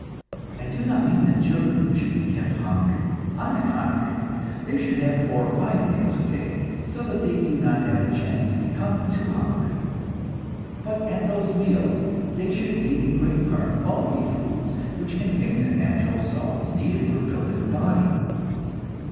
I do not mean that children should be kept hungry; on the contrary, they should have four or five meals a day, so that they do not have a chance to become too hungry. But at those meals they should eat in great part the bulky foods, which contain the natural salts needed for building the body.